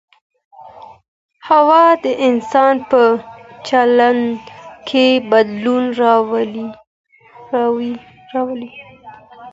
هوا د انسان په چلند کي بدلون راولي.